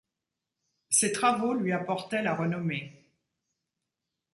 Ses travaux lui apportaient la renommée.